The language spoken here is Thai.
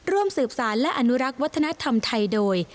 ร่วมสืบสารและอนุรักษ์วัฒนธรรมไทยโดย